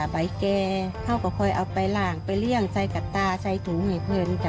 ใบแก่เขาก็คอยเอาไปล่างไปเลี่ยงใส่กับตาใส่ถุงให้เพื่อนจ้